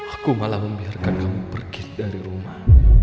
aku malah membiarkan kamu pergi dari rumah